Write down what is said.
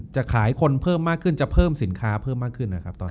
จะขายคนเพิ่มมากขึ้นจะเพิ่มสินค้าเพิ่มมากขึ้นนะครับ